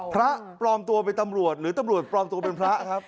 พระปลอมตัวเป็นตำรวจหรือตำรวจปลอมตัวเป็นพระครับ